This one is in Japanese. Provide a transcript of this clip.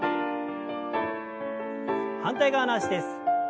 反対側の脚です。